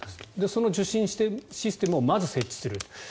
その受信しているシステムをまず設置すると。